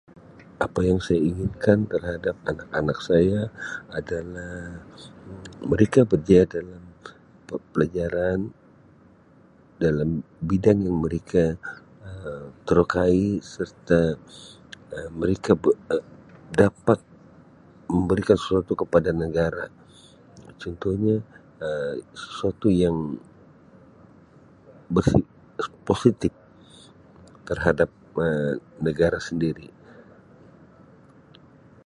Apa saya inginkan terhadap anak-anak saya adalah Um mereka berjaya dalam pe-pelajaran dalam bidang yang mereka Um terokai serta Um mereka bu Um dapat memberikan sesuatu kepada negara contohnya Um sesuatu yang [unintelligible] positif terhadap Um negara sendiri.